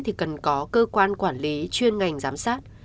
thì cần có cơ quan quản lý chuyên ngành giám sát